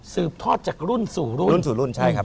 ทอดจากรุ่นสู่รุ่นรุ่นสู่รุ่นใช่ครับ